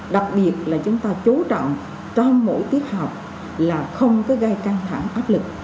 đặc biệt là chúng ta chú trọng trong mỗi tiết học là không có gây căng thẳng áp lực